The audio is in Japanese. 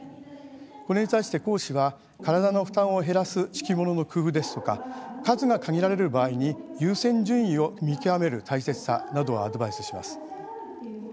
これに対して講師は体の負担を減らす敷物の工夫ですとか数が限られる場合に優先順位を見極める大切さなどをアドバイスします。